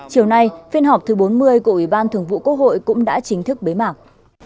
chiều nay phiên họp thứ bốn mươi của ủy ban thường vụ quốc hội cũng đã chính thức bế mạc